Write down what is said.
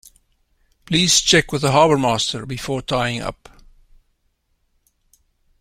Please check with the harbourmaster before tying up